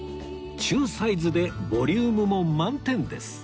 中サイズでボリュームも満点です